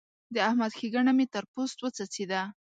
د احمد ښېګڼه مې تر پوست وڅڅېده.